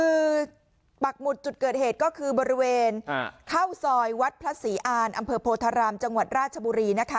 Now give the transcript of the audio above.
คือปักหมุดจุดเกิดเหตุก็คือบริเวณเข้าซอยวัดพระศรีอานอำเภอโพธารามจังหวัดราชบุรีนะคะ